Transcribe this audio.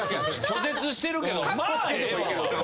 拒絶してるけど「まあええわ」は。